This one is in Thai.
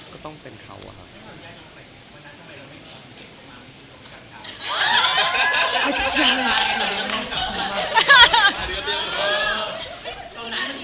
ก็ต้องเป็นเขาอะครับ